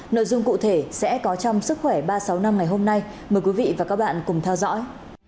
nội dung cụ thể sẽ có trong sức khỏe ba trăm sáu mươi năm ngày hôm nay mời quý vị và các bạn cùng theo dõi